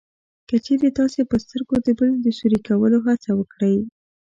که چېرې تاسې په سترګو د بل د سوري کولو هڅه وکړئ